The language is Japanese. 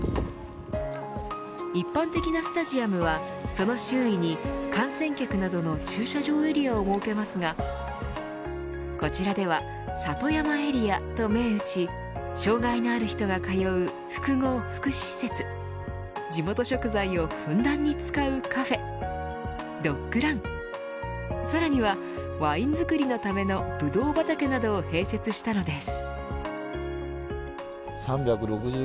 一般的なスタジアムはその周囲に観戦客などの駐車場エリアを設けますがこちらでは里山エリアと銘打ち障がいのある人が通う複合福祉施設地元食材をふんだんに使うカフェドッグランさらにはワイン造りのためのぶどう畑などを併設したのです。